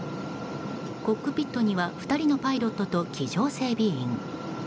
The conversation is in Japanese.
コックピットには２人のパイロットと機上整備員。